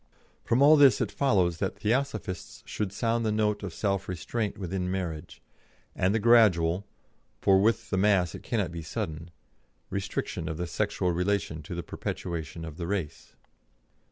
From all this it follows that Theosophists should sound the note of self restraint within marriage, and the gradual for with the mass it cannot be sudden restriction of the sexual relation to the perpetuation of the race.